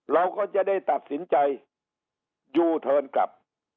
เราก็จะได้ตัดสินใจยูเทิร์นกลับ